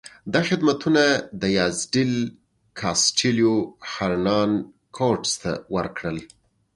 دا خدمتونه دیاز ډیل کاسټیلو هرنان کورټس ته وکړل.